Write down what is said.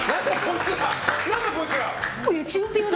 何だこいつら！